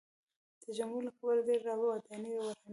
د جنګونو له کبله ډېرې ودانۍ ورانېږي.